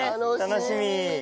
楽しみ。